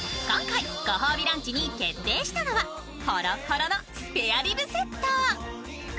今回ご褒美ランチに決定したのはほろっほろのスペアリブセット。